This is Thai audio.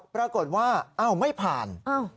ปรากฏว่าอ้าวไม่ผ่าน